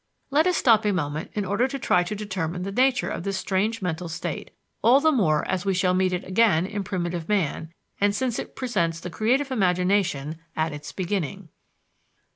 Let us stop a moment in order to try to determine the nature of this strange mental state, all the more as we shall meet it again in primitive man, and since it presents the creative imagination at its beginning.